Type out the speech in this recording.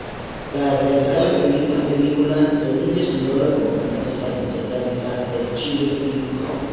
Para realizar la película, Domínguez fundó la compañía cinematográfica The Chile Film Co.